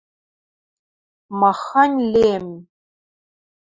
– Махань лем!..